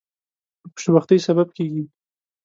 د خوشبختی سبب کیږي.